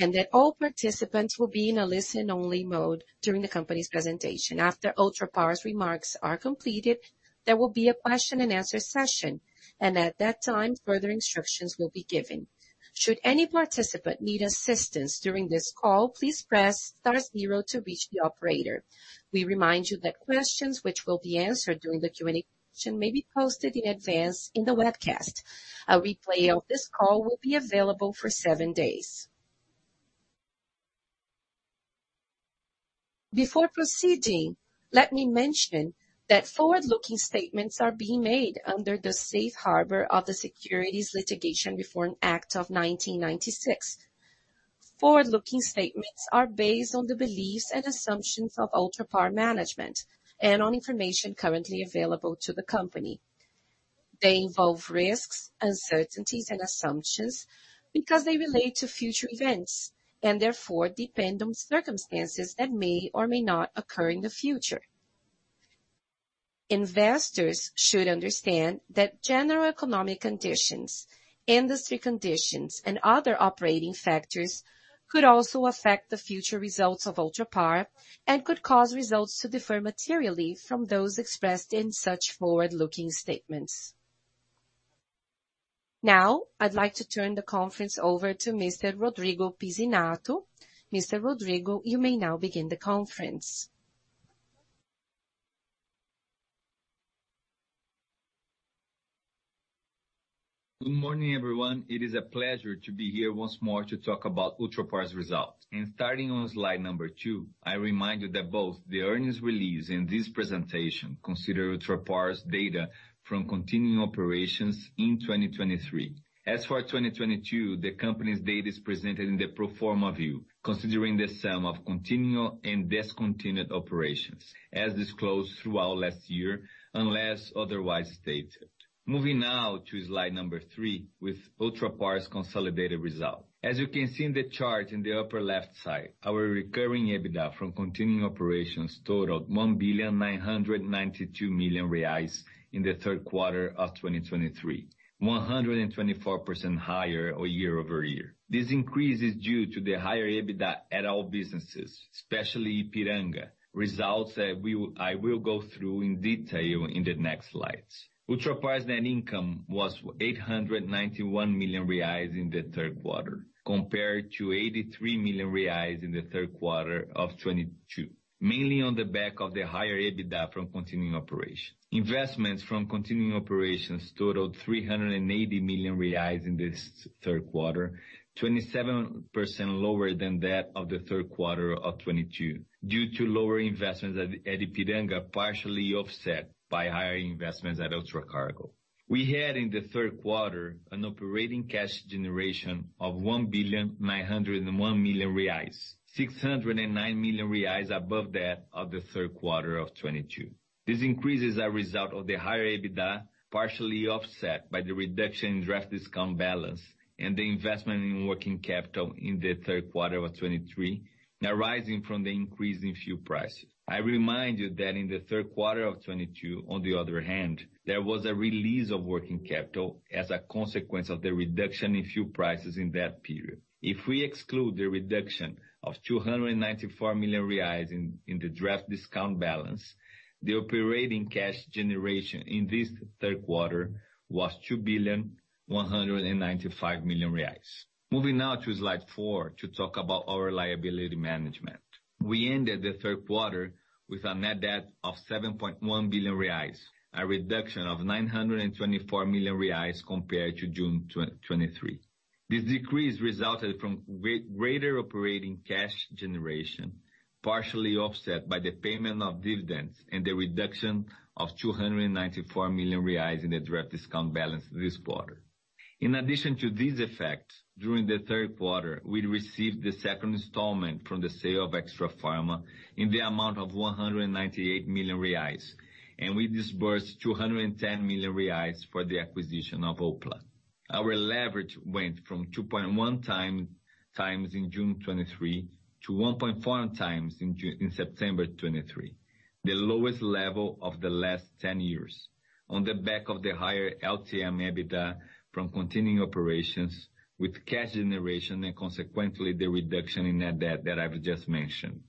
That all participants will be in a listen-only mode during the company's presentation. After Ultrapar's remarks are completed, there will be a question and answer session, and at that time, further instructions will be given. Should any participant need assistance during this call, please press star zero to reach the operator. We remind you that questions which will be answered during the Q&A session may be posted in advance in the webcast. A replay of this call will be available for seven days. Before proceeding, let me mention that forward-looking statements are being made under the Safe Harbor of the Securities Litigation Reform Act of 1996. Forward-looking statements are based on the beliefs and assumptions of Ultrapar management and on information currently available to the company. They involve risks, uncertainties, and assumptions because they relate to future events, and therefore depend on circumstances that may or may not occur in the future. Investors should understand that general economic conditions, industry conditions, and other operating factors could also affect the future results of Ultrapar and could cause results to differ materially from those expressed in such forward-looking statements. Now, I'd like to turn the conference over to Mr. Rodrigo Pizzinatto. Mr. Rodrigo, you may now begin the conference. Good morning, everyone. It is a pleasure to be here once more to talk about Ultrapar's results. Starting on slide number two, I remind you that both the earnings release and this presentation consider Ultrapar's data from continuing operations in 2023. As for 2022, the company's data is presented in the pro forma view, considering the sum of continuing and discontinued operations, as disclosed throughout last year, unless otherwise stated. Moving now to slide number three, with Ultrapar's consolidated results. As you can see in the chart in the upper left side, our recurring EBITDA from continuing operations totaled 1,992 million reais in the third quarter of 2023, 124% higher year-over-year. This increase is due to the higher EBITDA at all businesses, especially Ipiranga. Results that we will, I will go through in detail in the next slides. Ultrapar's net income was 891 million reais in the third quarter, compared to 83 million reais in the third quarter of 2022, mainly on the back of the higher EBITDA from continuing operations. Investments from continuing operations totaled 380 million reais in this third quarter, 27% lower than that of the third quarter of 2022, due to lower investments at Ipiranga, partially offset by higher investments at Ultracargo. We had, in the third quarter, an operating cash generation of 1,901 million reais, 609 million reais above that of the third quarter of 2022. This increase is a result of the higher EBITDA, partially offset by the reduction in draft discount balance and the investment in working capital in the third quarter of 2023, now rising from the increase in fuel prices. I remind you that in the third quarter of 2022, on the other hand, there was a release of working capital as a consequence of the reduction in fuel prices in that period. If we exclude the reduction of 294 million reais in the draft discount balance, the operating cash generation in this third quarter was 2.195 billion. Moving now to slide four to talk about our liability management. We ended the third quarter with a net debt of 7.1 billion reais, a reduction of 924 million reais compared to June 2023. This decrease resulted from greater operating cash generation, partially offset by the payment of dividends and the reduction of 294 million reais in the direct discount balance this quarter. In addition to these effects, during the third quarter, we received the second installment from the sale of Extrafarma in the amount of 198 million reais, and we disbursed 210 million reais for the acquisition of Opla. Our leverage went from 2.1x in June 2023 to 1.4x in September 2023, the lowest level of the last 10 years, on the back of the higher LTM EBITDA from continuing operations with cash generation and consequently the reduction in net debt that I've just mentioned.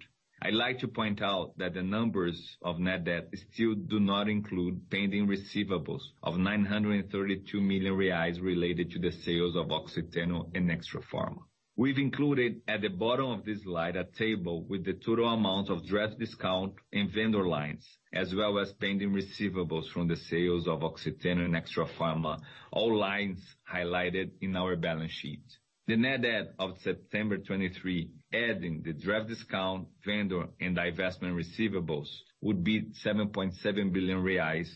I'd like to point out that the numbers of net debt still do not include pending receivables of 932 million reais related to the sales of Oxiteno and Extrafarma. We've included, at the bottom of this slide, a table with the total amount of draft discount and vendor lines, as well as pending receivables from the sales of Oxiteno and Extrafarma, all lines highlighted in our balance sheet. The net debt of September 2023, adding the draft discount, vendor, and divestment receivables, would be 7.7 billion reais,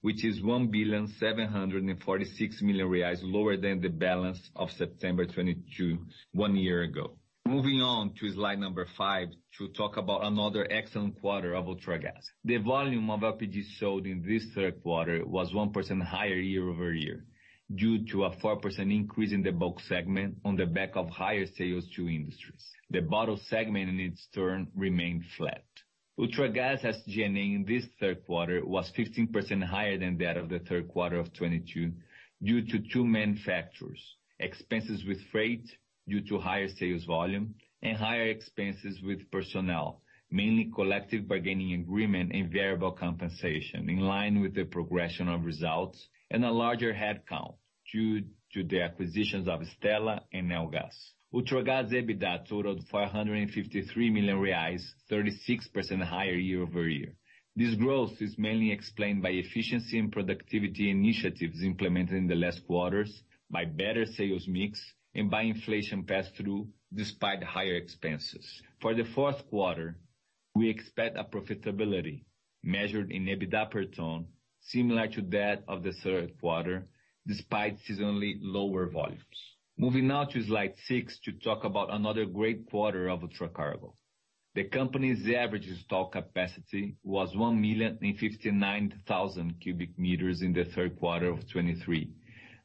which is 1,746 million reais lower than the balance of September 2022, one year ago. Moving on to slide number five, to talk about another excellent quarter of Ultragaz. The volume of LPG sold in this third quarter was 1% higher year-over-year, due to a 4% increase in the bulk segment on the back of higher sales to industries. The bottle segment, in its turn, remained flat. Ultragaz SG&A in this third quarter was 15% higher than that of the third quarter of 2022, due to two main factors: expenses with freight due to higher sales volume and higher expenses with personnel, mainly collective bargaining agreement and variable compensation, in line with the progression of results and a larger headcount, due to the acquisitions of Stella and Neogas. Ultragaz EBITDA totaled BRL 453 million, 36% higher year-over-year. This growth is mainly explained by efficiency and productivity initiatives implemented in the last quarters, by better sales mix, and by inflation pass-through, despite higher expenses. For the fourth quarter, we expect a profitability measured in EBITDA per ton, similar to that of the third quarter, despite seasonally lower volumes. Moving now to slide six to talk about another great quarter of Ultracargo. The company's average stock capacity was 1,059,000 cubic meters in the third quarter of 2023,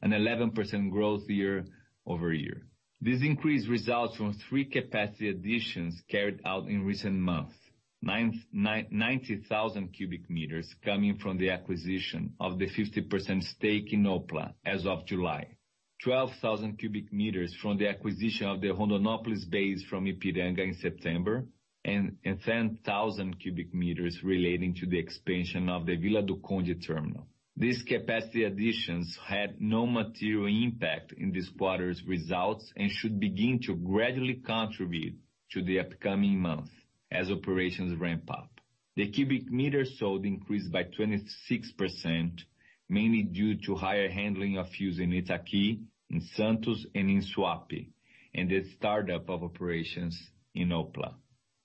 an 11% growth year-over-year. This increase results from three capacity additions carried out in recent months. 90,000 cubic meters coming from the acquisition of the 50% stake in Opla as of July. 12,000 cubic meters from the acquisition of the Rondonópolis base from Ipiranga in September, and 10,000 cubic meters relating to the expansion of the Vila do Conde terminal. These capacity additions had no material impact in this quarter's results, and should begin to gradually contribute to the upcoming months as operations ramp up. The cubic meters sold increased by 26%, mainly due to higher handling of fuels in Itaqui, in Santos and in Suape, and the startup of operations in Opla.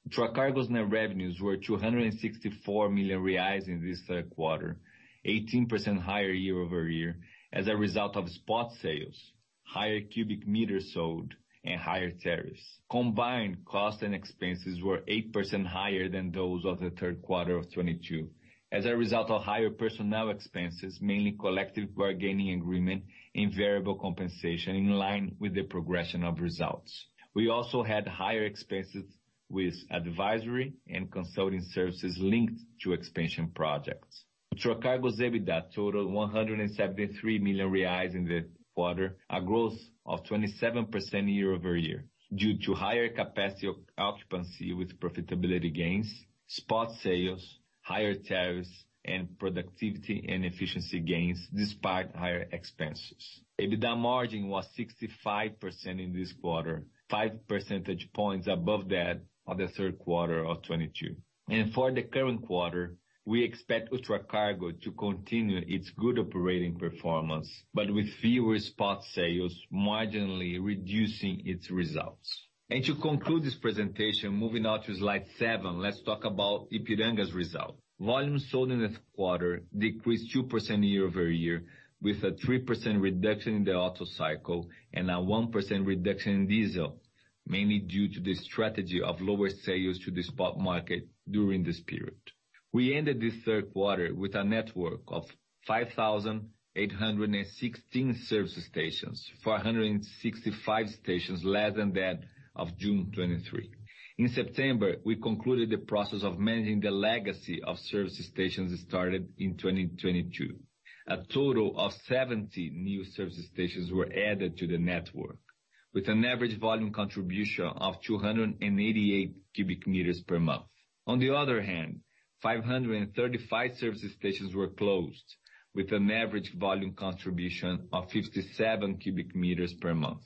Ultracargo's net revenues were 264 million reais in this third quarter, 18% higher year-over-year, as a result of spot sales, higher cubic meters sold and higher tariffs. Combined cost and expenses were 8% higher than those of the third quarter of 2022, as a result of higher personnel expenses, mainly collective bargaining agreement and variable compensation, in line with the progression of results. We also had higher expenses with advisory and consulting services linked to expansion projects. Ultracargo's EBITDA totaled 173 million reais in the quarter, a growth of 27% year-over-year, due to higher capacity occupancy with profitability gains, spot sales, higher tariffs, and productivity and efficiency gains, despite higher expenses. EBITDA margin was 65% in this quarter, 5 percentage points above that of the third quarter of 2022. For the current quarter, we expect Ultracargo to continue its good operating performance, but with fewer spot sales, marginally reducing its results. To conclude this presentation, moving on to slide seven, let's talk about Ipiranga's results. Volumes sold in this quarter decreased 2% year-over-year, with a 3% reduction in the Otto cycle and a 1% reduction in diesel, mainly due to the strategy of lower sales to the spot market during this period. We ended this third quarter with a network of 5,816 service stations, 465 stations less than that of June 2023. In September, we concluded the process of managing the legacy of service stations started in 2022. A total of 70 new service stations were added to the network, with an average volume contribution of 288 cubic meters per month. On the other hand, 535 service stations were closed, with an average volume contribution of 57 cubic meters per month.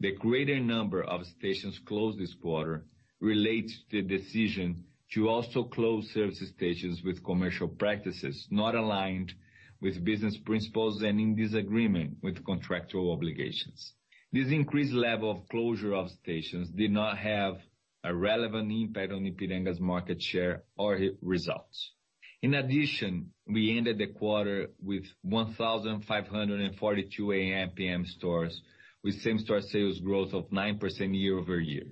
The greater number of stations closed this quarter relates to the decision to also close service stations with commercial practices not aligned with business principles and in disagreement with contractual obligations. This increased level of closure of stations did not have a relevant impact on Ipiranga's market share or results. In addition, we ended the quarter with 1,542 AmPm stores, with same-store sales growth of 9% year-over-year.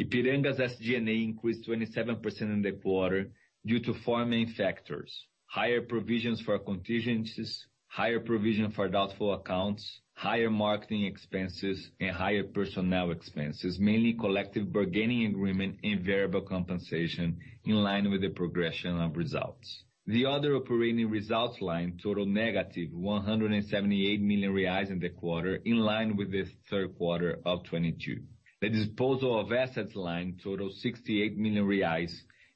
Ipiranga's SG&A increased 27% in the quarter due to four main factors: higher provisions for contingencies, higher provision for doubtful accounts, higher marketing expenses, and higher personnel expenses, mainly collective bargaining agreement and variable compensation, in line with the progression of results. The other operating results line total -178 million reais in the quarter, in line with the third quarter of 2022. The disposal of assets line total 68 million reais,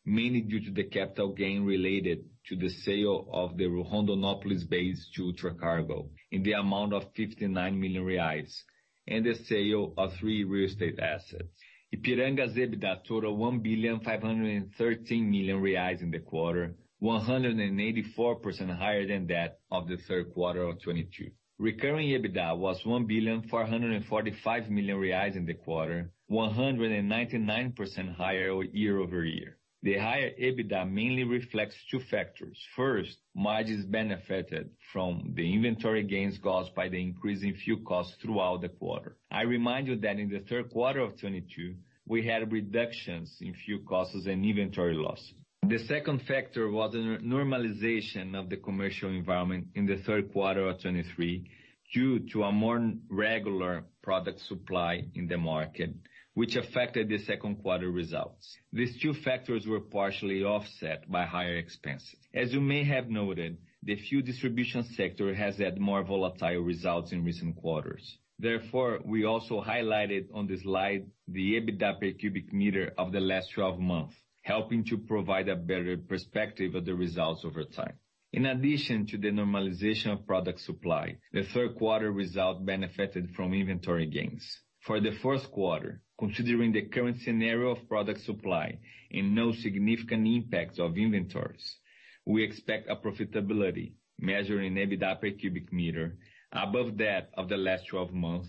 mainly due to the capital gain related to the sale of the Rondonópolis base to Ultracargo in the amount of 59 million reais, and the sale of three real estate assets. Ipiranga's EBITDA total 1,513 million reais in the quarter, 184% higher than that of the third quarter of 2022. Recurring EBITDA was 1,445 million reais in the quarter, 199% higher year-over-year. The higher EBITDA mainly reflects two factors. First, margins benefited from the inventory gains caused by the increase in fuel costs throughout the quarter. I remind you that in the third quarter of 2022, we had reductions in fuel costs and inventory losses. The second factor was the normalization of the commercial environment in the third quarter of 2023, due to a more regular product supply in the market, which affected the second quarter results. These two factors were partially offset by higher expenses. As you may have noted, the fuel distribution sector has had more volatile results in recent quarters. Therefore, we also highlighted on the slide the EBITDA cubic meter of the last twelve months, helping to provide a better perspective of the results over time. In addition to the normalization of product supply, the third quarter result benefited from inventory gains. For the fourth quarter, considering the current scenario of product supply and no significant impact of inventories, we expect a profitability measuring EBITDA per cubic meter above that of the last twelve months,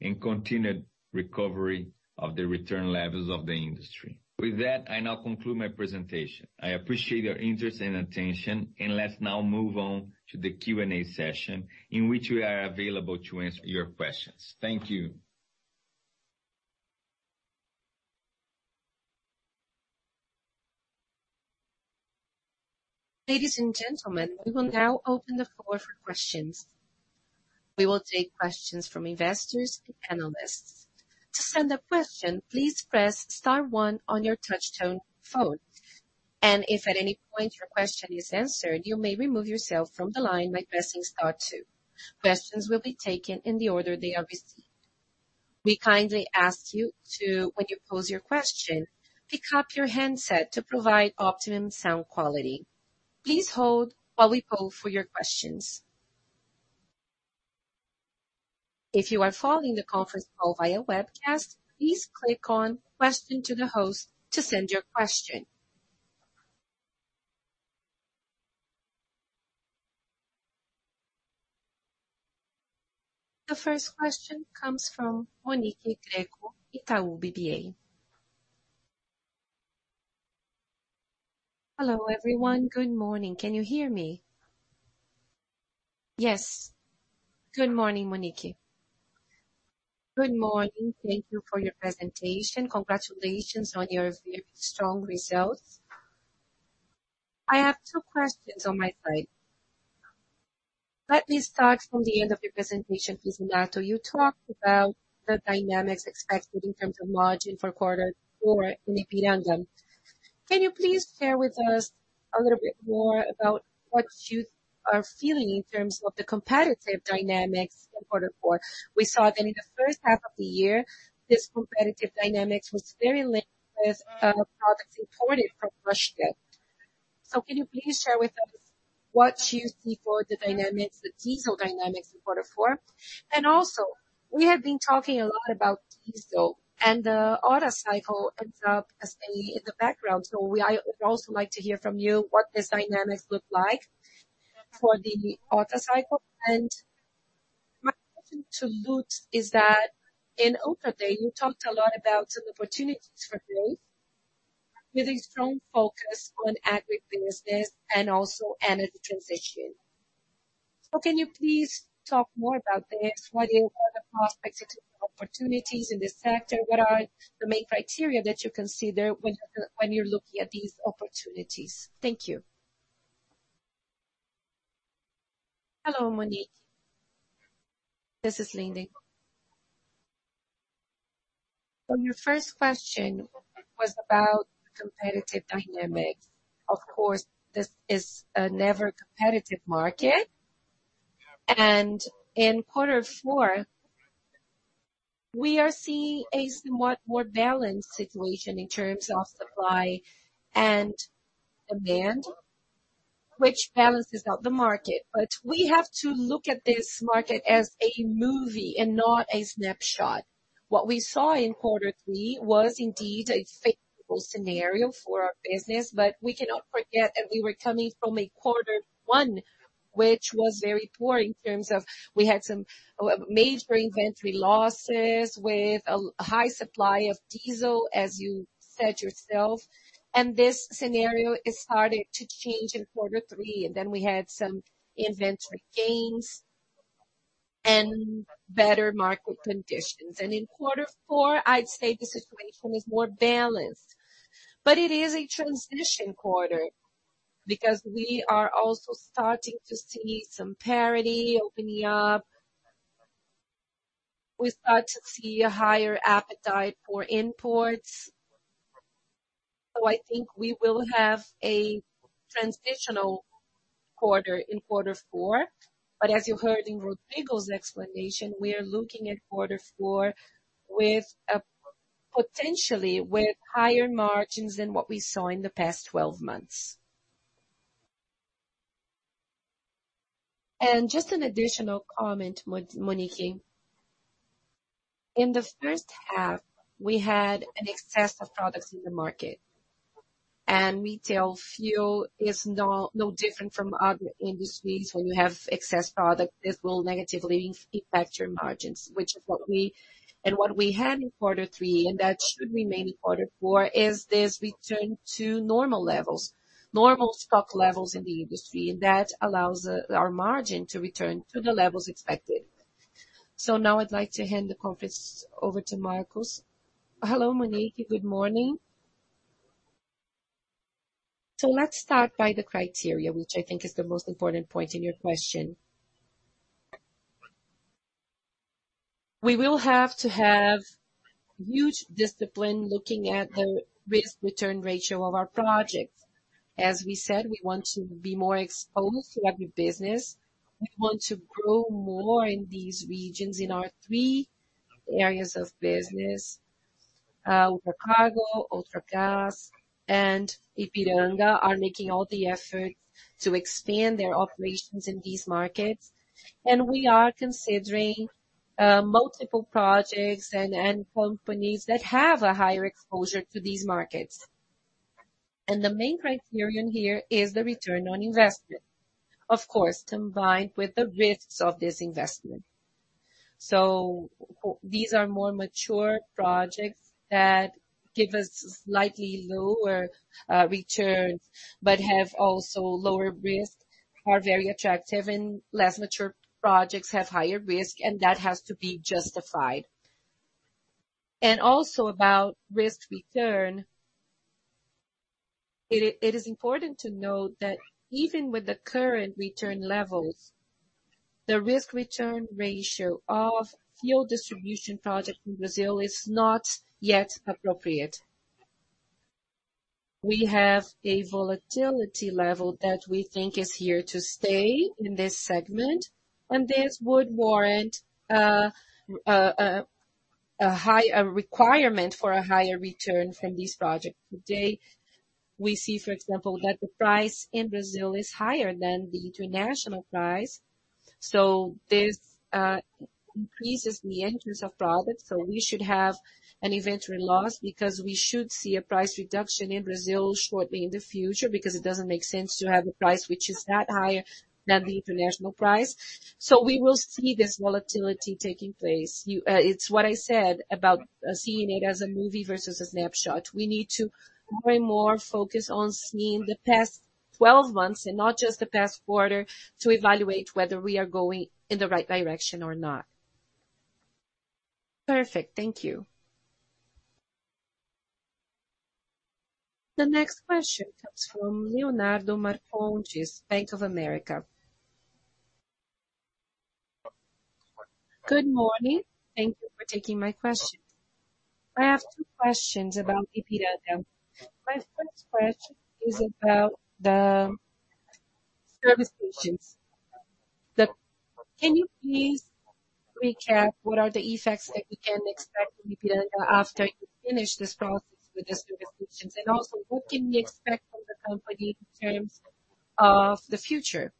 and continued recovery of the return levels of the industry. With that, I now conclude my presentation. I appreciate your interest and attention, and let's now move on to the Q&A session, in which we are available to answer your questions. Thank you. Ladies and gentlemen, we will now open the floor for questions. We will take questions from investors and panelists. To send a question, please press star one on your touchtone phone, and if at any point your question is answered, you may remove yourself from the line by pressing star two. Questions will be taken in the order they are received. We kindly ask you to, when you pose your question, pick up your handset to provide optimum sound quality. Please hold while we poll for your questions. If you are following the conference call via webcast, please click on Question to the Host to send your question. The first question comes from Monique Greco, Itaú BBA. Hello, everyone. Good morning. Can you hear me? Yes. Good morning, Monique. Good morning. Thank you for your presentation. Congratulations on your very strong results. I have two questions on my side. Let me start from the end of your presentation, please, Renato. You talked about the dynamics expected in terms of margin for quarter four in Ipiranga. Can you please share with us a little bit more about what you are feeling in terms of the competitive dynamics in quarter four? We saw that in the first half of the year, this competitive dynamics was very linked with products imported from Russia. So can you please share with us what you see for the dynamics, the diesel dynamics in quarter four? And also, we have been talking a lot about diesel and the auto cycle ends up as staying in the background. So, I would also like to hear from you what this dynamics look like for the auto cycle. My question to Lutz is that in Ultragaz, you talked a lot about some opportunities for growth, with a strong focus on agri business and also energy transition. So can you please talk more about this? What are the prospects and opportunities in this sector? What are the main criteria that you consider when you're looking at these opportunities? Thank you. Hello, Monique, this is Linden. On your first question, was about competitive dynamics. Of course, this is a very competitive market, and in quarter four, we are seeing a somewhat more balanced situation in terms of supply and demand, which balances out the market. But we have to look at this market as a movie and not a snapshot. What we saw in quarter three was indeed a favorable scenario for our business, but we cannot forget that we were coming from a quarter one, which was very poor in terms of we had some major inventory losses with a high supply of diesel, as you said yourself, and this scenario is starting to change in quarter three. Then we had some inventory gains and better market conditions. In quarter four, I'd say the situation is more balanced, but it is a transition quarter because we are also starting to see some parity opening up. We start to see a higher appetite for imports, so I think we will have a transitional quarter in quarter four. But as you heard in Rodrigo's explanation, we are looking at quarter four with a potentially with higher margins than what we saw in the past twelve months. And just an additional comment, Monique. In the first half, we had an excess of products in the market, and retail fuel is no different from other industries. When you have excess product, this will negatively impact your margins, which is what we, and what we had in quarter three, and that should remain in quarter four, is this return to normal levels, normal stock levels in the industry, and that allows our margin to return to the levels expected. So now I'd like to hand the conference over to Marcos. Hello, Monique. Good morning. So let's start by the criteria, which I think is the most important point in your question. We will have to have huge discipline looking at the risk-return ratio of our projects. As we said, we want to be more exposed to every business. We want to grow more in these regions, in our three areas of business, Ultragaz, Ultragaz, and Ipiranga are making all the effort to expand their operations in these markets. And we are considering multiple projects and companies that have a higher exposure to these markets. And the main criterion here is the return on investment, of course, combined with the risks of this investment. So these are more mature projects that give us slightly lower returns, but have also lower risk, are very attractive, and less mature projects have higher risk, and that has to be justified. And also, about risk return, it is important to note that even with the current return levels, the risk-return ratio of fuel distribution project in Brazil is not yet appropriate. We have a volatility level that we think is here to stay in this segment, and this would warrant a requirement for a higher return from this project. Today, we see, for example, that the price in Brazil is higher than the international price, so this increases the entrance of profit. So we should have an inventory loss, because we should see a price reduction in Brazil shortly in the future, because it doesn't make sense to have a price which is that higher than the international price. So we will see this volatility taking place. You, it's what I said about seeing it as a movie versus a snapshot. We need to more and more focus on seeing the past 12 months and not just the past quarter, to evaluate whether we are going in the right direction or not. Perfect. Thank you. The next question comes from Leonardo Marcondes, Bank of America. Good morning. Thank you for taking my question. I have two questions about Ipiranga. My first question is about the service stations. The can you please recap what are the effects that we can expect Ipiranga after you finish this process with the service stations? And also, what can we expect from the company in terms of the future,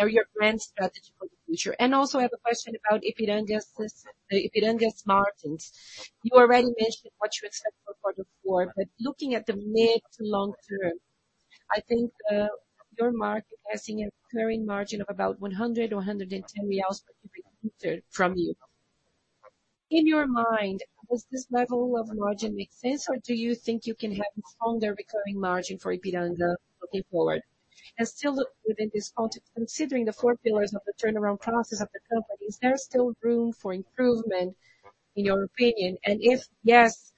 or your brand strategy for the future? And also, I have a question about Ipiranga's margins. You already mentioned what you expect for quarter four, but looking at the mid- to long-term, I think your market is seeing a recurring margin of about 100 or 110 reais per liter from you. In your mind, does this level of margin make sense, or do you think you can have a stronger recurring margin for Ipiranga looking forward? And still within this context, considering the four pillars of the turnaround process of the company, is there still room for improvement, in your opinion? And if yes,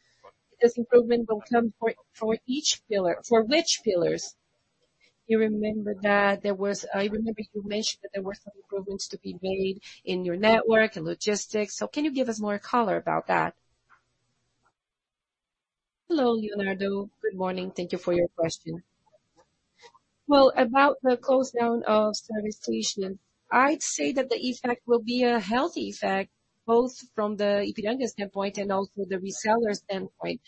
this improvement will come for each pillar, for which pillars? You remember that there was. I remember you mentioned that there were some improvements to be made in your network and logistics, so can you give us more color about that? Hello, Leonardo. Good morning. Thank you for your question. Well, about the close down of service station, I'd say that the effect will be a healthy effect, both from the Ipiranga standpoint and also the reseller standpoint.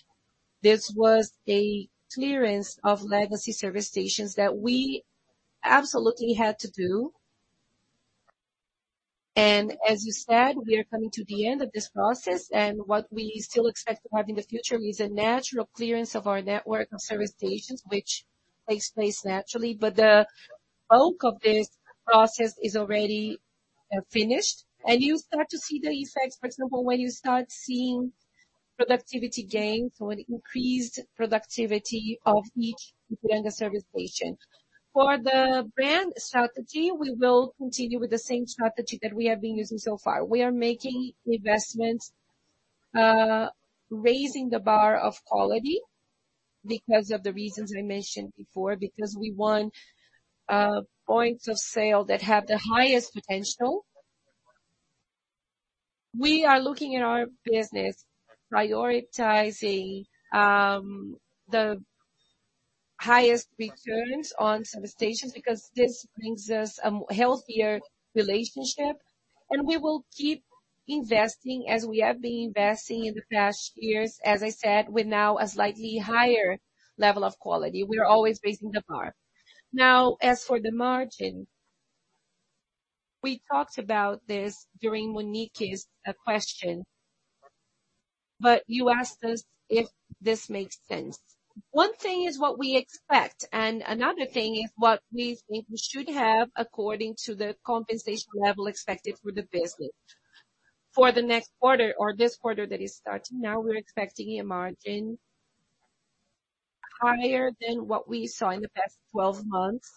This was a clearance of legacy service stations that we absolutely had to do, and as you said, we are coming to the end of this process and what we still expect to have in the future is a natural clearance of our network of service stations, which takes place naturally. But the bulk of this process is already finished, and you start to see the effects, for example, when you start seeing productivity gains or increased productivity of each Ipiranga service station. For the brand strategy, we will continue with the same strategy that we have been using so far. We are making investments, raising the bar of quality because of the reasons we mentioned before, because we want points of sale that have the highest potential. We are looking at our business, prioritizing the highest returns on service stations, because this brings us a healthier relationship, and we will keep investing as we have been investing in the past years. As I said, we're now a slightly higher level of quality. We are always raising the bar. Now, as for the margin, we talked about this during Monique's question, but you asked us if this makes sense. One thing is what we expect, and another thing is what we should have according to the compensation level expected for the business. For the next quarter or this quarter that is starting now, we're expecting a margin higher than what we saw in the past twelve months.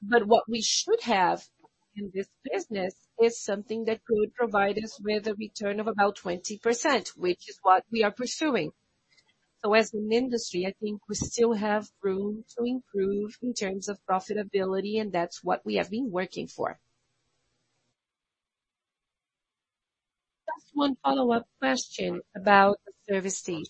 But what we should have in this business is something that could provide us with a return of about 20%, which is what we are pursuing. So as an industry, I think we still have room to improve in terms of profitability, and that's what we have been working for. Just one follow-up question about the service fee.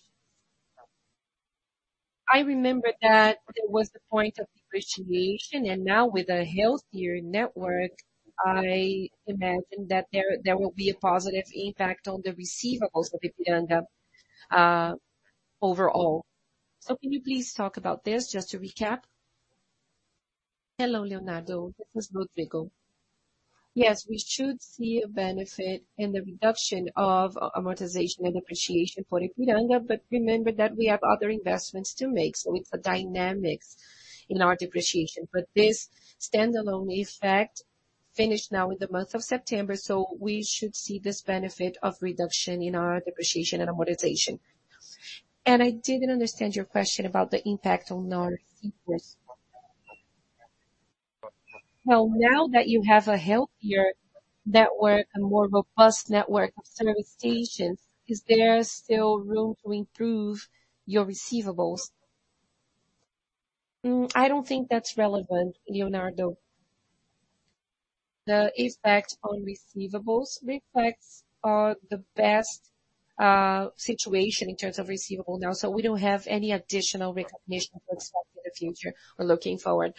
I remember that there was the point of depreciation, and now with a healthier network, I imagine that there will be a positive impact on the receivables of Ipiranga, overall. So can you please talk about this, just to recap? Hello, Leonardo, this is Rodrigo. Yes, we should see a benefit in the reduction of amortization and depreciation for Ipiranga, but remember that we have other investments to make, so it's a dynamics in our depreciation. But this standalone effect finished now with the month of September, so we should see this benefit of reduction in our depreciation and amortization. And I didn't understand your question about the impact on our receivables. Well, now that you have a healthier network and more of a plus network of service stations, is there still room to improve your receivables? I don't think that's relevant, Leonardo. The impact on receivables reflects the best situation in terms of receivable now, so we don't have any additional recognition to expect in the future or looking forward.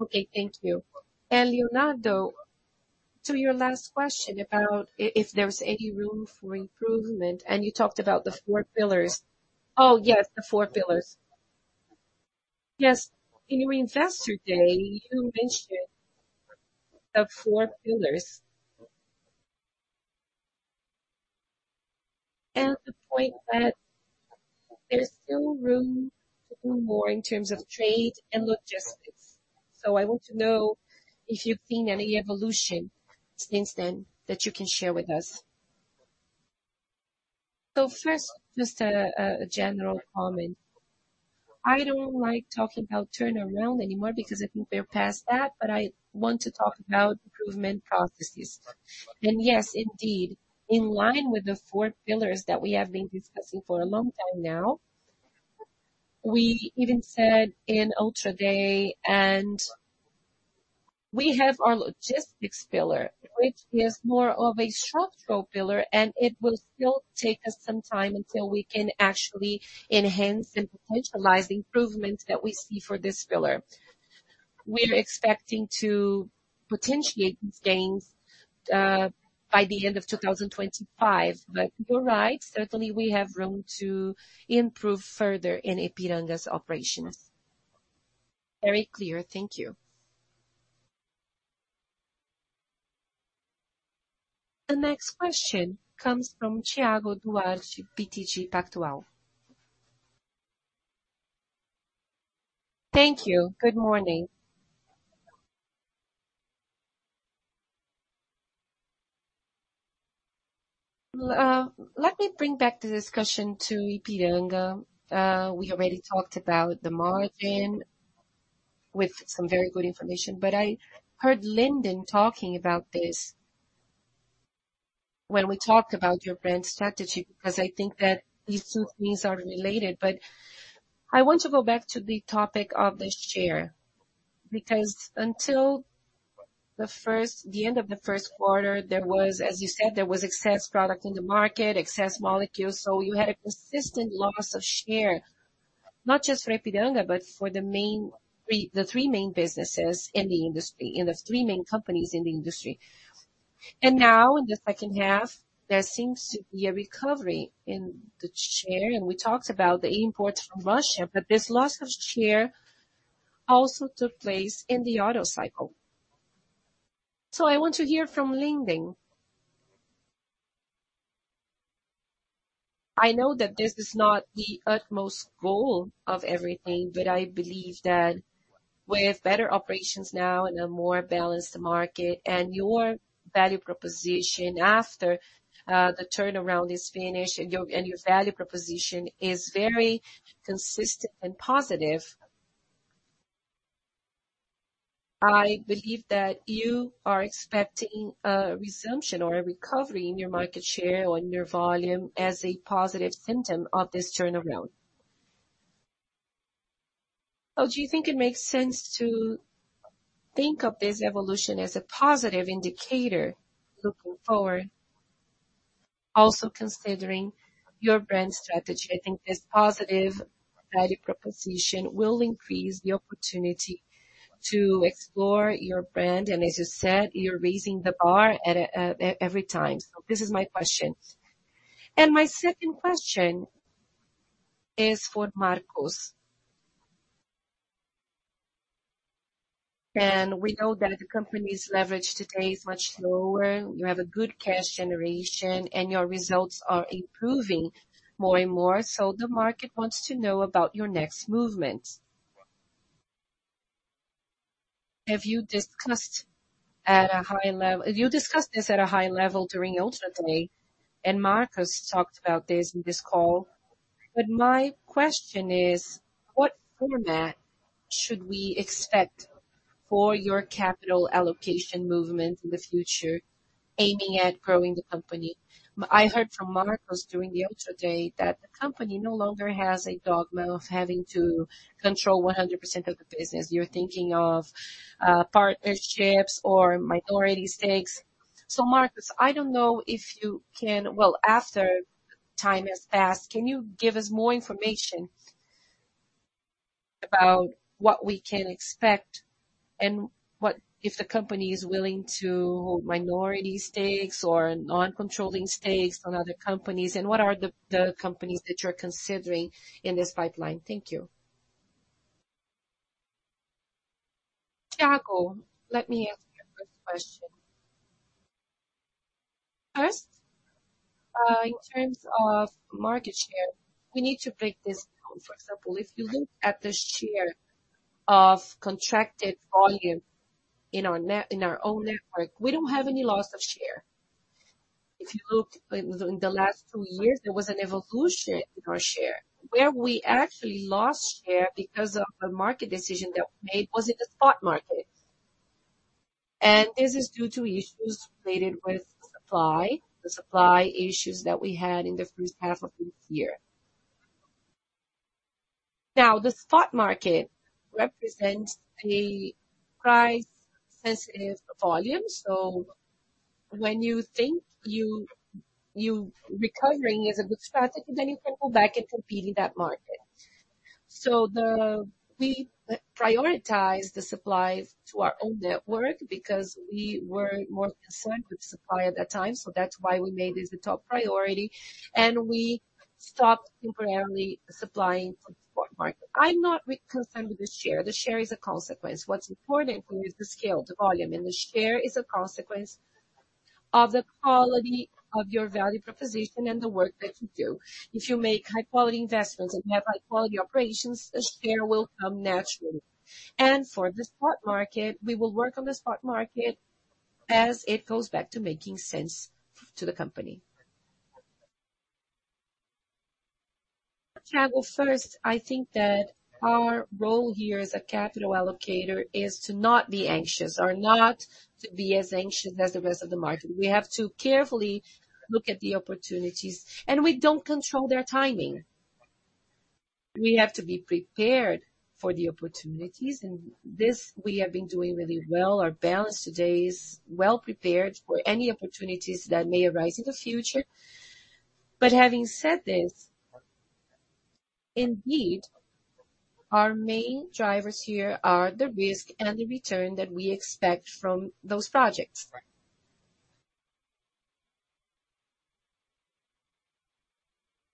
Okay, thank you. And Leonardo, to your last question about if there's any room for improvement, and you talked about the four pillars. Oh, yes, the four pillars. Yes. In your investor day, you mentioned the four pillars. And the point that there's still room to do more in terms of trade and logistics. So I want to know if you've seen any evolution since then that you can share with us? So first, just a general comment. I don't like talking about turnaround anymore because I think we're past that, but I want to talk about improvement processes. Yes, indeed, in line with the four pillars that we have been discussing for a long time now, we even said in Ultra Day, and we have our logistics pillar, which is more of a short-term pillar, and it will still take us some time until we can actually enhance and potentialize the improvements that we see for this pillar. We're expecting to potentiate these gains by the end of 2025. But you're right, certainly we have room to improve further in Ipiranga's operations. Very clear. Thank you. The next question comes from Thiago Duarte, BTG Pactual. Thank you. Good morning. Let me bring back the discussion to Ipiranga. We already talked about the margin with some very good information, but I heard Linden talking about this when we talked about your brand strategy, because I think that these two things are related. But I want to go back to the topic of the share, because until the end of the first quarter, there was, as you said, there was excess product in the market, excess molecules, so you had a consistent loss of share, not just for Ipiranga, but for the main three, the three main businesses in the industry, in the three main companies in the industry. And now, in the second half, there seems to be a recovery in the share, and we talked about the imports from Russia, but this loss of share also took place in the auto cycle. So I want to hear from Linden. I know that this is not the utmost goal of everything, but I believe that with better operations now and a more balanced market and your value proposition after the turnaround is finished and your value proposition is very consistent and positive. I believe that you are expecting a resumption or a recovery in your market share or in your volume as a positive symptom of this turnaround. So do you think it makes sense to think of this evolution as a positive indicator looking forward, also considering your brand strategy? I think this positive value proposition will increase the opportunity to explore your brand, and as you said, you're raising the bar at every time. So this is my question. And my second question is for Marcos. And we know that the company's leverage today is much lower. You have a good cash generation, and your results are improving more and more, so the market wants to know about your next movement. Have you discussed at a high level. You discussed this at a high level during Ultra Day, and Marcos talked about this in this call. But my question is, what format should we expect for your capital allocation movement in the future, aiming at growing the company? I heard from Marcos during the other day, that the company no longer has a dogma of having to control 100% of the business. You're thinking of, partnerships or minority stakes. So Marcos, I don't know if you can, well, after time has passed, can you give us more information about what we can expect, and what, if the company is willing to minority stakes or non-controlling stakes on other companies, and what are the, the companies that you're considering in this pipeline? Thank you. Tiago, let me ask you a quick question. First, in terms of market share, we need to break this down. For example, if you look at the share of contracted volume in our net, in our own network, we don't have any loss of share. If you look in, in the last two years, there was an evolution in our share, where we actually lost share because of the market decision that we made was in the spot market. This is due to issues related with the supply, the supply issues that we had in the first half of this year. Now, the spot market represents a price-sensitive volume, so when you think recovering is a good strategy, then you can go back and compete in that market. So we prioritize the supplies to our own network because we were more concerned with supply at that time, so that's why we made this the top priority, and we stopped temporarily supplying to the spot market. I'm not concerned with the share. The share is a consequence. What's important for me is the scale, the volume, and the share is a consequence of the quality of your value proposition and the work that you do. If you make high quality investments and have high quality operations, the share will come naturally. For the spot market, we will work on the spot market as it goes back to making sense to the company. Tiago, first, I think that our role here as a capital allocator is to not be anxious or not to be as anxious as the rest of the market. We have to carefully look at the opportunities, and we don't control their timing. We have to be prepared for the opportunities, and this we have been doing really well. Our balance today is well prepared for any opportunities that may arise in the future. But having said this, indeed, our main drivers here are the risk and the return that we expect from those projects.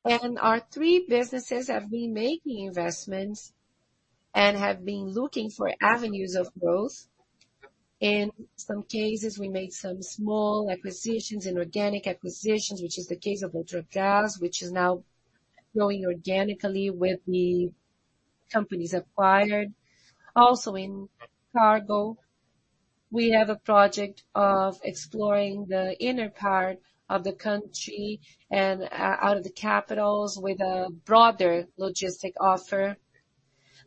Our three businesses have been making investments and have been looking for avenues of growth. In some cases, we made some small acquisitions and organic acquisitions, which is the case of Ultragaz, which is now growing organically with the companies acquired. Also, in cargo, we have a project of exploring the inner part of the country and out of the capitals with a broader logistic offer.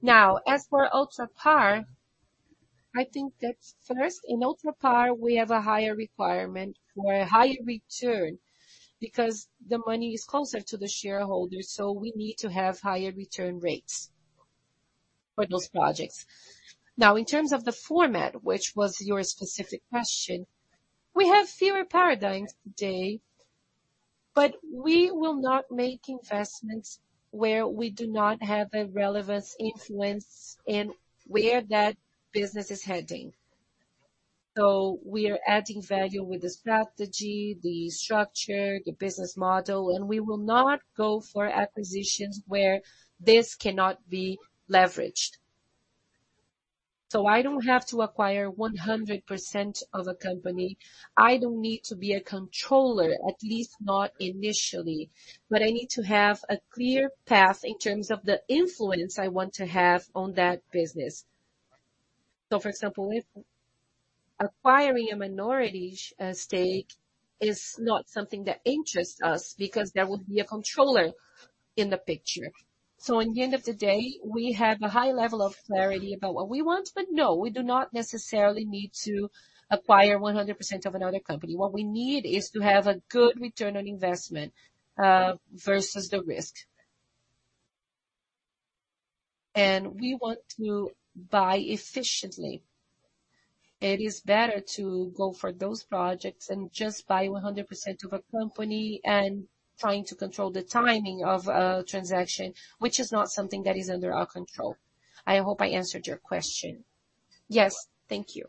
Now, as for Ultrapar, I think that first, in Ultrapar, we have a higher requirement for a higher return, because the money is closer to the shareholders, so we need to have higher return rates for those projects. Now, in terms of the format, which was your specific question, we have fewer paradigms today, but we will not make investments where we do not have a relevant influence in where that business is heading. So we are adding value with the strategy, the structure, the business model, and we will not go for acquisitions where this cannot be leveraged. So I don't have to acquire 100% of a company. I don't need to be a controller, at least not initially, but I need to have a clear path in terms of the influence I want to have on that business. So for example, if acquiring a minority stake is not something that interests us, because there would be a controller in the picture. So in the end of the day, we have a high level of clarity about what we want, but no, we do not necessarily need to acquire 100% of another company. What we need is to have a good return on investment versus the risk. And we want to buy efficiently. It is better to go for those projects and just buy 100% of a company and trying to control the timing of a transaction, which is not something that is under our control. I hope I answered your question. Yes, thank you.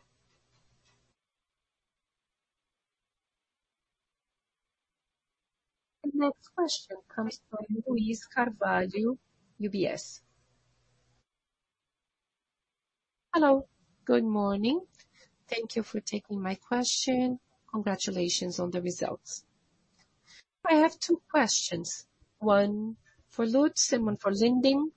The next question comes from Luiz Carvalho, UBS. Hello, good morning. Thank you for taking my question. Congratulations on the results. I have two questions, one for Lutz and one for Linden.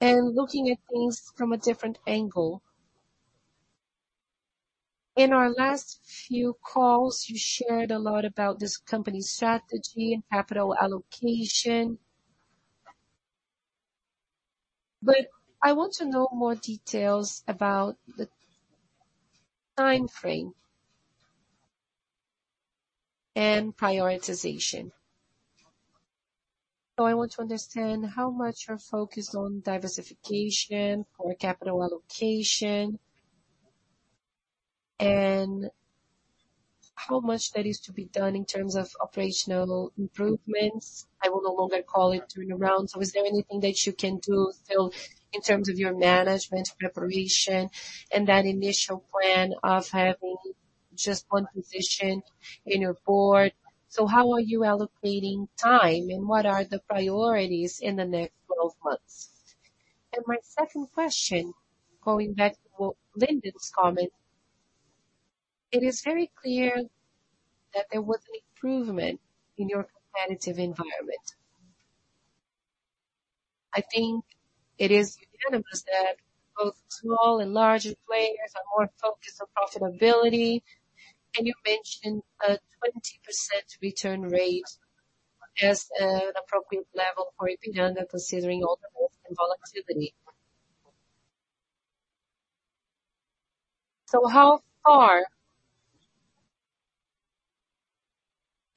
And looking at things from a different angle. In our last few calls, you shared a lot about this company's strategy and capital allocation. But I want to know more details about the time frame and prioritization. So I want to understand how much you're focused on diversification or capital allocation, and how much that is to be done in terms of operational improvements. I will no longer call it turnaround. So is there anything that you can do still, in terms of your management preparation and that initial plan of having just one position in your board? So how are you allocating time, and what are the priorities in the next 12 months? And my second question, going back to what Lyndon's comment, it is very clear that there was an improvement in your competitive environment. I think it is unanimous that both small and larger players are more focused on profitability, and you mentioned a 20% return rate as an appropriate level for Ipiranga, considering all the moves and volatility.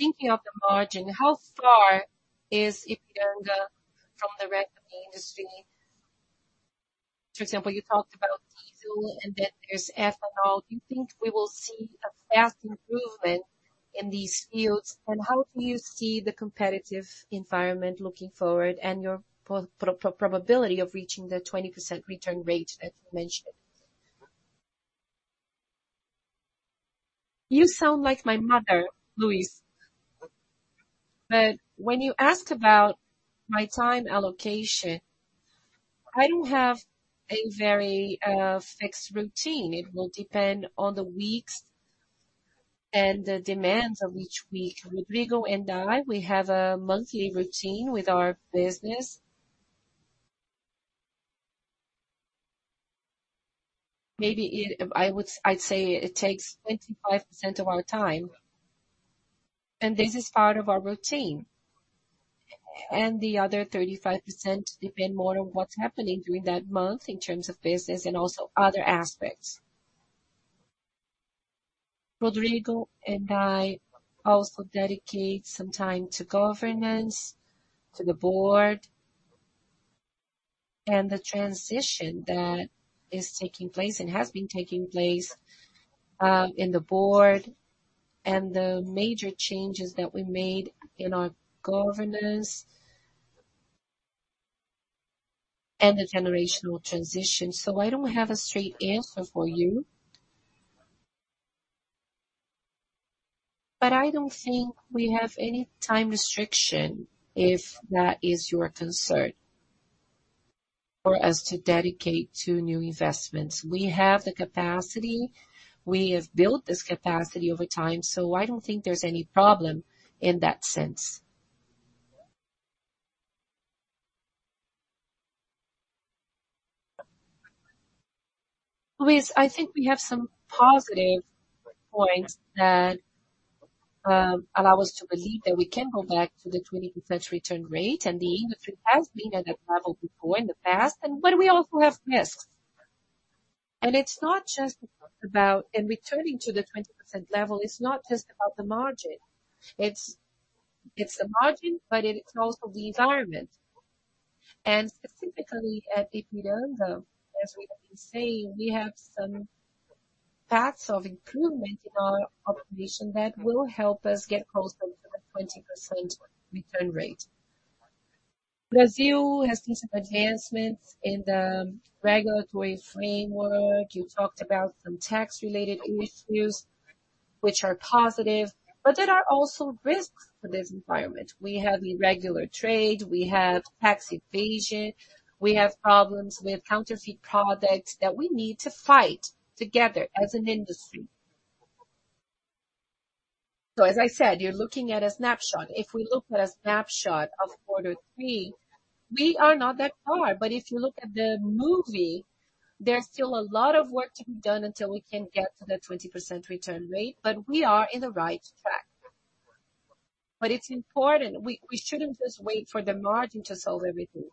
Thinking of the margin, how far is Ipiranga from the rest of the industry? For example, you talked about diesel, and then there's ethanol. Do you think we will see a fast improvement in these fields? And how do you see the competitive environment looking forward and your probability of reaching the 20% return rate, as you mentioned? You sound like my mother, Luis. But when you ask about my time allocation, I don't have a very fixed routine. It will depend on the weeks and the demands of each week. Rodrigo and I, we have a monthly routine with our business. Maybe I'd say it takes 25% of our time, and this is part of our routine. The other 35% depend more on what's happening during that month, in terms of business and also other aspects. Rodrigo and I also dedicate some time to governance, to the board, and the transition that is taking place and has been taking place in the board, and the major changes that we made in our governance and the generational transition. So I don't have a straight answer for you. But I don't think we have any time restriction, if that is your concern, for us to dedicate to new investments. We have the capacity. We have built this capacity over time, so I don't think there's any problem in that sense. Luis, I think we have some positive points that allow us to believe that we can go back to the 20% return rate, and the industry has been at that level before in the past, and but we also have risks. And it's not just about the margin. In returning to the 20% level, it's not just about the margin. It's, it's the margin, but it is also the environment. And specifically at Ipiranga, as we have been saying, we have some paths of improvement in our operation that will help us get closer to the 20% return rate. Brazil has seen some advancements in the regulatory framework. You talked about some tax-related issues, which are positive, but there are also risks to this environment. We have irregular trade, we have tax evasion, we have problems with counterfeit products that we need to fight together as an industry. So as I said, you're looking at a snapshot. If we look at a snapshot of quarter three, we are not that far. But if you look at the movie, there's still a lot of work to be done until we can get to the 20% return rate, but we are in the right track. But it's important, we, we shouldn't just wait for the margin to solve everything.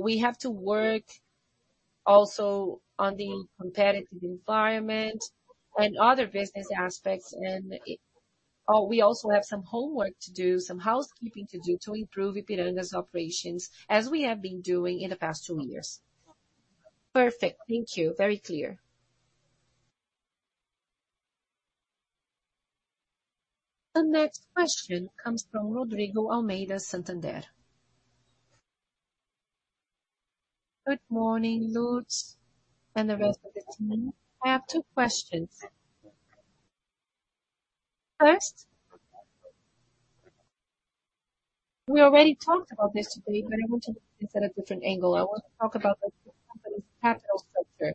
We have to work also on the competitive environment and other business aspects, and we also have some homework to do, some housekeeping to do, to improve Ipiranga's operations, as we have been doing in the past two years. Perfect. Thank you. Very clear. The next question comes from Rodrigo Almeida, Santander. Good morning, Lutz, and the rest of the team. I have two questions. First, we already talked about this today, but I want to look at it from a different angle. I want to talk about the company's capital structure.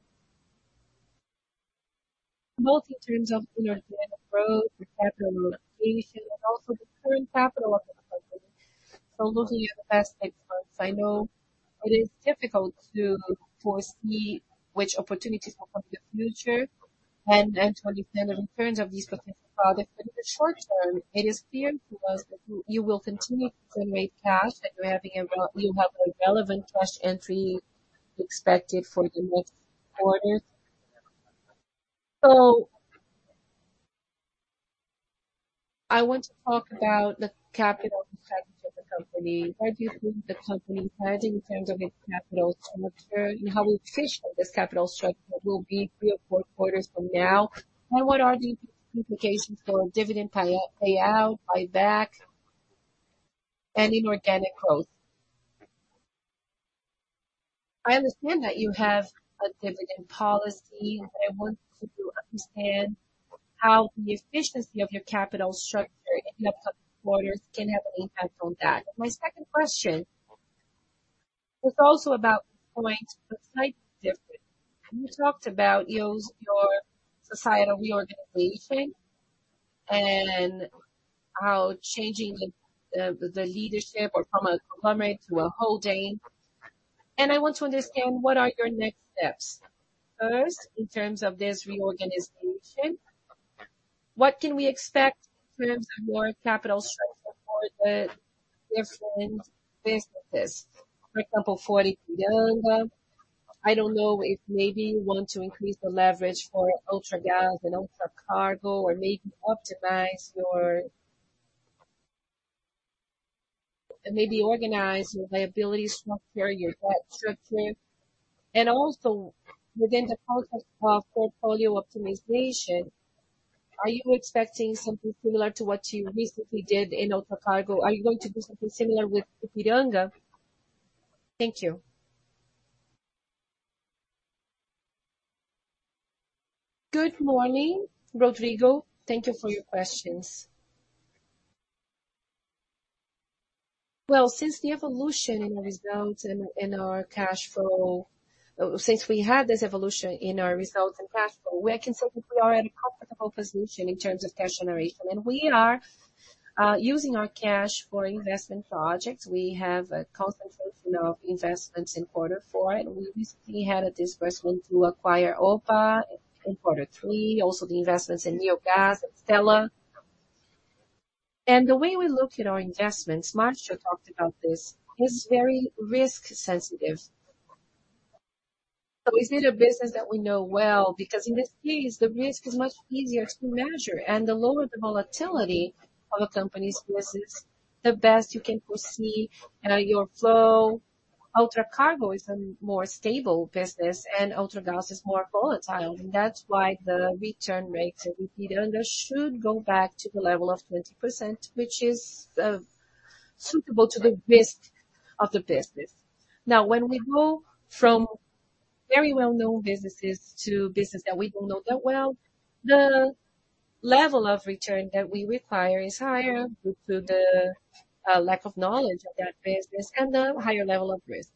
Both in terms of inorganic growth or capital allocation, and also the current capital of the company. So looking at the past six months, I know it is difficult to foresee which opportunities will come in the future, and to understand in terms of these potential products. But in the short term, it is clear to us that you will continue to generate cash, and you have a relevant cash entry expected for the next quarter. So I want to talk about the capital structure of the company. Where do you think the company stands in terms of its capital structure, and how efficient this capital structure will be three or four quarters from now? And what are the implications for dividend payout, buyback, and inorganic growth? I understand that you have a dividend policy. I want to understand how the efficiency of your capital structure in the upcoming quarters can have an impact on that. My second question is also about going to the slight difference. You talked about your societal reorganization and how changing the leadership from a conglomerate to a holding. I want to understand, what are your next steps? First, in terms of this reorganization, what can we expect in terms of more capital structure for the different businesses? For example, for Ipiranga, I don't know if maybe you want to increase the leverage for Ultragaz and Ultracargo, or maybe optimize your... Maybe organize your liability structure, your debt structure. Also, within the process of portfolio optimization, are you expecting something similar to what you recently did in Ultracargo? Are you going to do something similar with Ipiranga? Thank you. Good morning, Rodrigo. Thank you for your questions. Well, since the evolution in the results and, and our cash flow, since we had this evolution in our results and cash flow, we can say that we are in a comfortable position in terms of cash generation. We are using our cash for investment projects. We have a concentration of investments in quarter four, and we recently had a disbursement to acquire Opla in quarter three, also the investments in Neogas and Stella. The way we look at our investments, Marcos talked about this, is very risk sensitive. So is it a business that we know well? Because in this case, the risk is much easier to measure, and the lower the volatility of a company's business, the best you can foresee your flow. Ultracargo is a more stable business, and Ultragaz is more volatile, and that's why the return rates of Ipiranga should go back to the level of 20%, which is suitable to the risk of the business. Now, when we go from very well-known businesses to businesses that we don't know that well, the level of return that we require is higher due to the lack of knowledge of that business and the higher level of risk.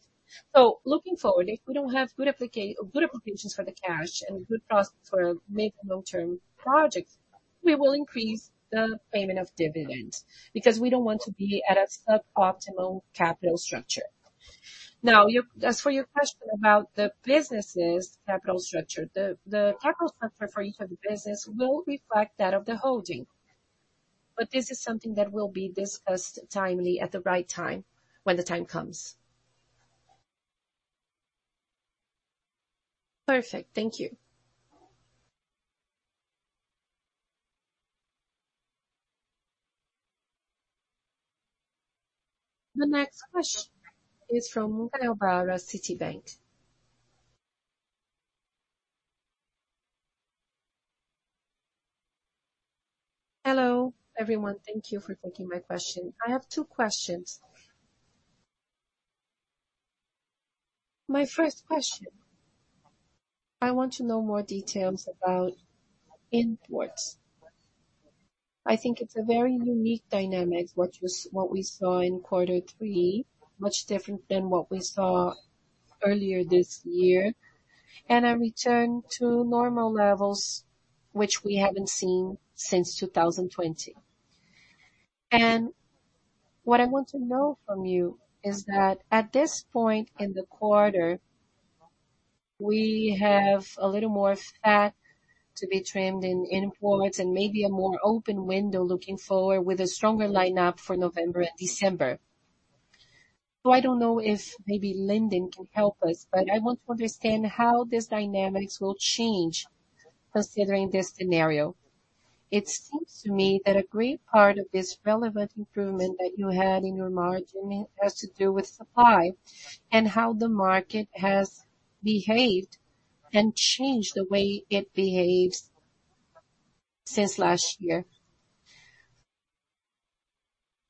So looking forward, if we don't have good applications for the cash and good prospects for mid- to long-term projects, we will increase the payment of dividends, because we don't want to be at a suboptimal capital structure. Now, you, as for your question about the businesses' capital structure, the capital structure for each of the business will reflect that of the holding. This is something that will be discussed timely at the right time, when the time comes. Perfect. Thank you. The next question is from Borja Segura, Citibank. Hello, everyone. Thank you for taking my question. I have two questions. My first question, I want to know more details about imports. I think it's a very unique dynamic, which was what we saw in quarter three, much different than what we saw earlier this year, and a return to normal levels, which we haven't seen since 2020. What I want to know from you is that at this point in the quarter, we have a little more fat to be trimmed in imports and maybe a more open window looking forward with a stronger lineup for November and December. I don't know if maybe Linden can help us, but I want to understand how these dynamics will change, considering this scenario. It seems to me that a great part of this relevant improvement that you had in your margin has to do with supply and how the market has behaved and changed the way it behaves since last year.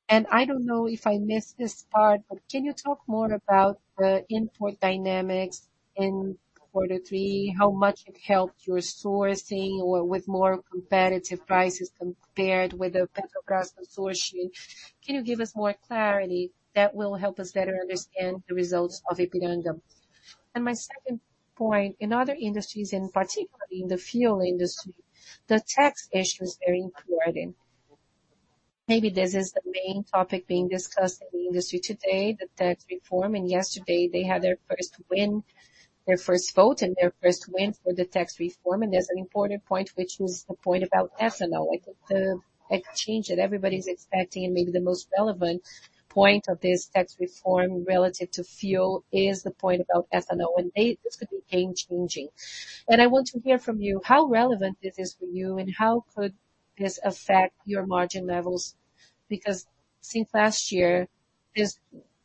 I don't know if I missed this part, but can you talk more about the import dynamics in quarter three, how much it helped your sourcing or with more competitive prices compared with the Petrobras consortium? Can you give us more clarity that will help us better understand the results of Ipiranga? My second point, in other industries, and particularly in the fuel industry, the tax issues are important. Maybe this is the main topic being discussed in the industry today, the tax reform. Yesterday they had their first win, their first vote, and their first win for the tax reform. There's an important point, which was the point about ethanol. I think the exchange that everybody's expecting, and maybe the most relevant point of this tax reform relative to fuel, is the point about ethanol, and they, this could be game-changing. I want to hear from you how relevant this is for you, and how could this affect your margin levels? Because since last year, this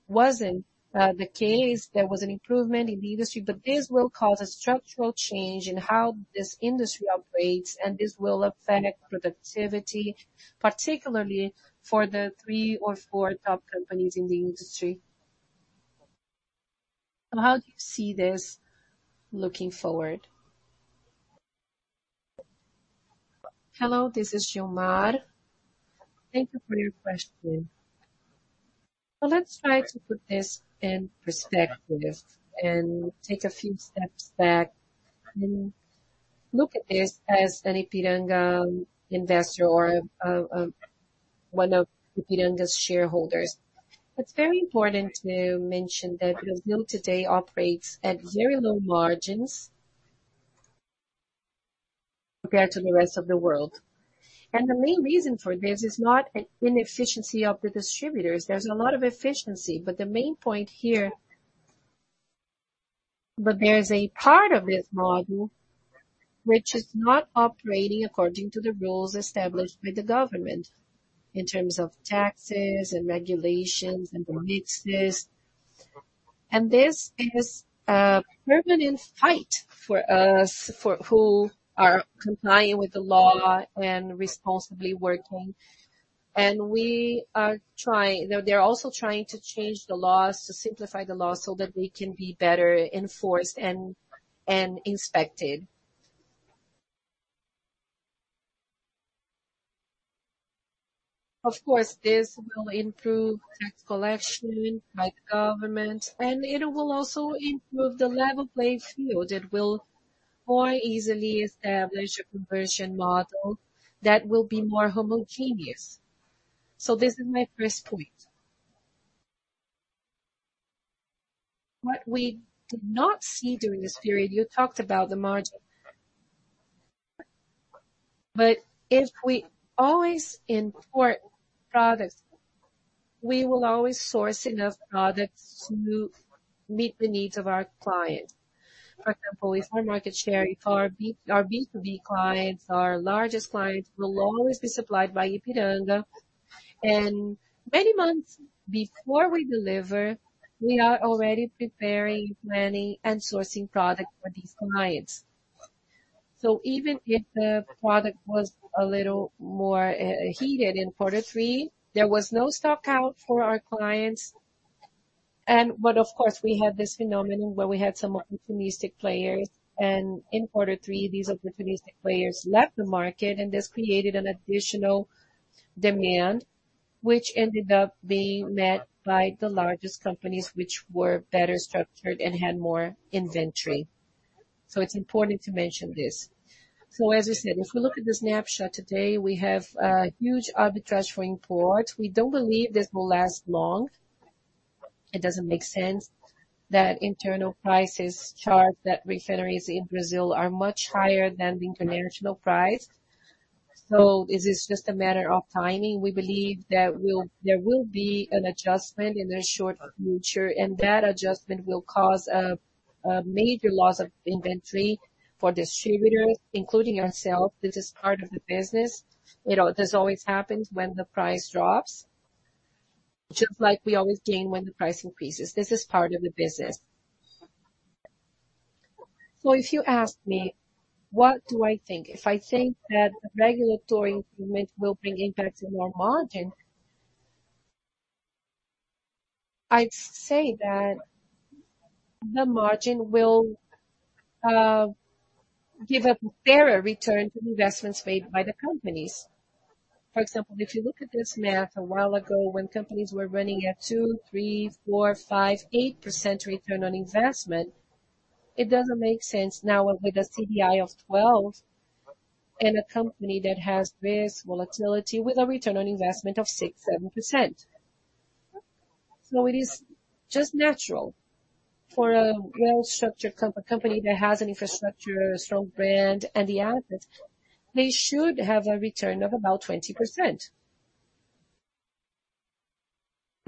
wasn't the case. There was an improvement in the industry, but this will cause a structural change in how this industry operates, and this will affect productivity, particularly for the three or four top companies in the industry. So how do you see this looking forward? Hello, this is Gilmar. Thank you for your question. So let's try to put this in perspective and take a few steps back and look at this as an Ipiranga investor or one of Ipiranga's shareholders. It's very important to mention that Brazil today operates at very low margins compared to the rest of the world, and the main reason for this is not an inefficiency of the distributors. There's a lot of efficiency, but the main point here... But there's a part of this model which is not operating according to the rules established by the government in terms of taxes and regulations and permits. And this is a permanent fight for us, who are complying with the law and responsibly working, and we are trying-- They're also trying to change the laws, to simplify the laws, so that they can be better enforced and inspected. Of course, this will improve tax collection by the government, and it will also improve the level playing field. It will more easily establish a conversion model that will be more homogeneous. So this is my first point. What we did not see during this period, you talked about the margin, but if we always import products, we will always source enough products to meet the needs of our clients. For example, with our market share, our B2B clients, our largest clients, will always be supplied by Ipiranga, and many months before we deliver, we are already preparing, planning and sourcing products for these clients. So even if the product was a little more heated in quarter three, there was no stock out for our clients. But of course, we had this phenomenon where we had some opportunistic players, and in quarter three, these opportunistic players left the market. This created an additional demand, which ended up being met by the largest companies, which were better structured and had more inventory. It's important to mention this. As I said, if we look at the snapshot today, we have a huge arbitrage for import. We don't believe this will last long. It doesn't make sense that internal prices charged at refineries in Brazil are much higher than the international price, so this is just a matter of timing. We believe there will be an adjustment in the short future, and that adjustment will cause a major loss of inventory for distributors, including ourselves. This is part of the business. You know, this always happens when the price drops, just like we always gain when the price increases. This is part of the business. So if you ask me, what do I think? If I think that regulatory improvement will bring impact to more margin, I'd say that the margin will give a fairer return to the investments made by the companies. For example, if you look at this math, a while ago when companies were running at 2%, 3%, 4%, 5%, 8% return on investment, it doesn't make sense now with a CDI of 12% and a company that has this volatility with a return on investment of 6%, 7%. So it is just natural for a well-structured company that has an infrastructure, a strong brand and the assets, they should have a return of about 20%.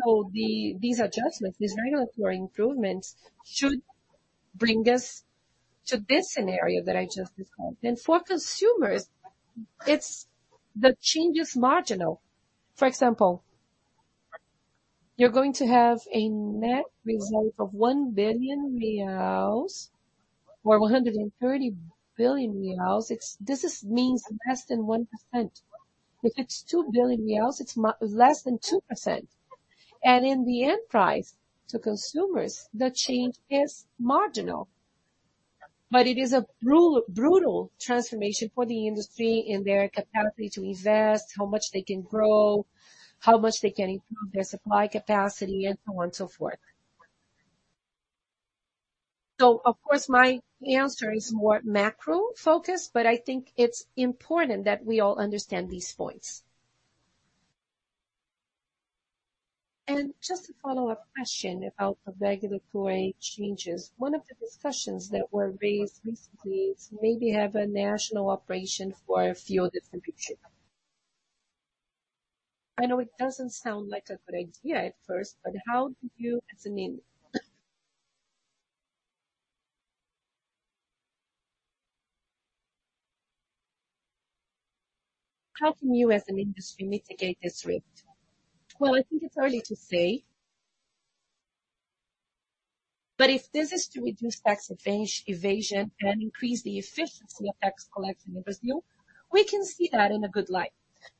So these adjustments, these regulatory improvements, should bring us to this scenario that I just described. And for consumers, it's the change is marginal. For example, you're going to have a net result of 1 billion reais or 1.3 billion reais. This means less than 1%. If it's 2 billion reais, it's less than 2%, and in the end price to consumers, the change is marginal. But it is a brutal, brutal transformation for the industry in their capacity to invest, how much they can grow, how much they can improve their supply capacity, and so on and so forth.... So of course, my answer is more macro focused, but I think it's important that we all understand these points. And just a follow-up question about the regulatory changes. One of the discussions that were raised recently is maybe have a national operation for a few different figures. I know it doesn't sound like a good idea at first, but how do you, as an industry, mitigate this risk? Well, I think it's early to say, but if this is to reduce tax evasion and increase the efficiency of tax collection in Brazil, we can see that in a good light.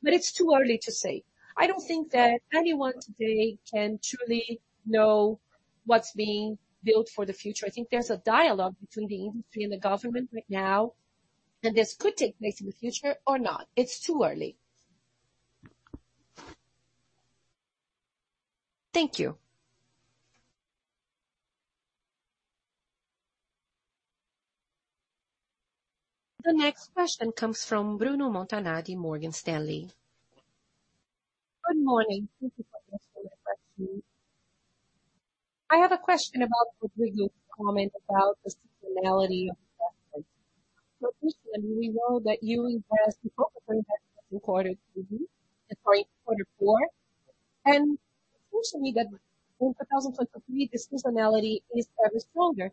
But it's too early to say. I don't think that anyone today can truly know what's being built for the future. I think there's a dialogue between the industry and the government right now, and this could take place in the future or not. It's too early. Thank you. The next question comes from Bruno Montanari, Morgan Stanley. Good morning. Thank you for this question. I have a question about Rodrigo's comment about the seasonality of investment. So first, we know that you invest in quarter three and quarter four, and usually that in 2023, the seasonality is even stronger.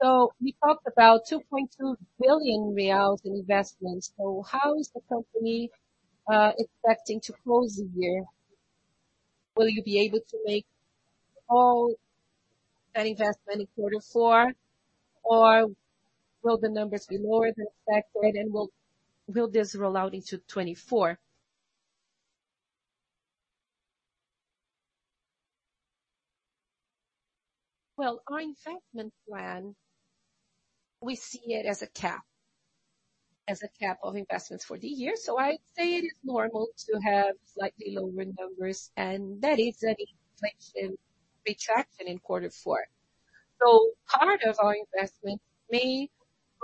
So we talked about 2.2 billion reais in investments. So how is the company expecting to close the year? Will you be able to make all that investment in quarter four, or will the numbers be lower than expected, and will, will this roll out into 2024? Well, our investment plan, we see it as a cap, as a cap of investments for the year. So I'd say it is normal to have slightly lower numbers, and that is an inflation retraction in quarter four. So part of our investment may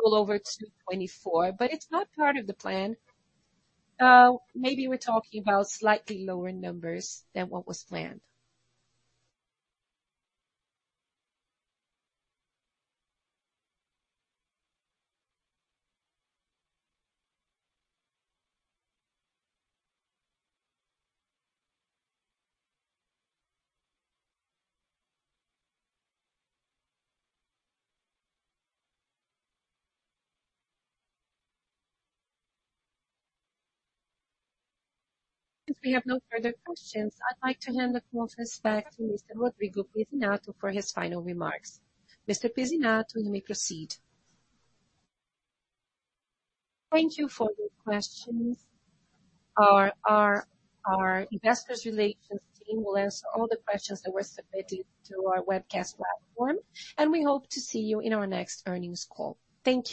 roll over to 2024, but it's not part of the plan. Maybe we're talking about slightly lower numbers than what was planned. If we have no further questions, I'd like to hand the conference back to Mr. Rodrigo Pizzinatto for his final remarks. Mr. Pizzinatto, you may proceed. Thank you for the questions. Our, our, our investor relations team will answer all the questions that were submitted to our webcast platform, and we hope to see you in our next earnings call. Thank you.